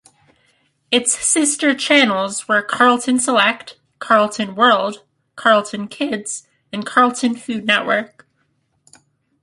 Its sister channels were Carlton Select, Carlton World, Carlton Kids, and Carlton Food Network.